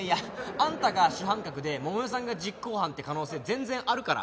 あんたが主犯格で桃代さんが実行犯って可能性全然あるから。